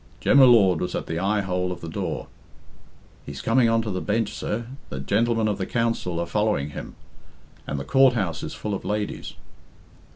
Jem y Lord was at the eye hole of the door. "He's coming on to the bench, sir. The gentlemen of the council are following him, and the Court house is full of ladies."